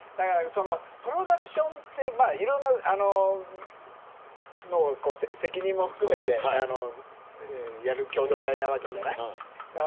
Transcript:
プロダクションっていろんな責任も含めてやる共同体なわけじゃない。